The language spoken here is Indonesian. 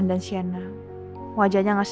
mbak mirna nih jangan penguai